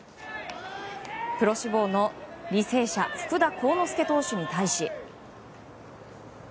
プロ志願の履正社福田幸之介投手に対し。